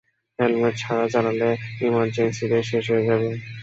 Helmet ছাড়া চালালে এমারজেন্সিতেই শেষ হয়ে যাবে।